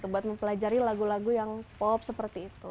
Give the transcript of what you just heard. buat mempelajari lagu lagu yang pop seperti itu